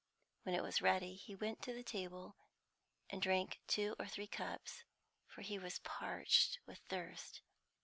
When it was ready, he went to the table, and drank two or three cups, for he was parched with thirst.